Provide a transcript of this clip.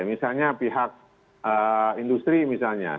misalnya pihak industri misalnya